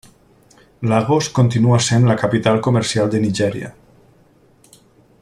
Lagos continua sent la capital comercial de Nigèria.